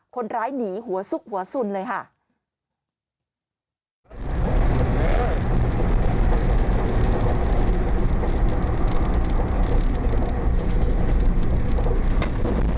คนร้ายหนีหัวซุกหัวสุนเลยค่ะ